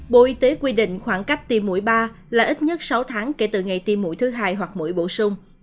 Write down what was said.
bộ y tế quy định khoảng cách tiêm mũi ba là ít nhất sáu tháng kể từ ngày tiêm mũi thứ hai hoặc mũi bổ sung